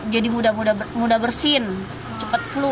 jadi mudah bersin cepat flu